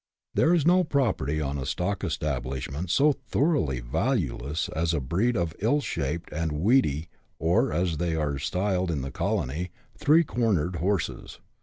There is no property on a stock establish ment so thoroughly valueless as a breed of ill shaped and weedy, or, as they are styled in the colony, " three cornered " horses.